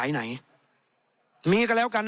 ในทางปฏิบัติมันไม่ได้